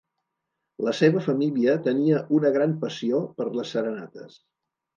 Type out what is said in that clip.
La seva família tenia una gran passió per les serenates.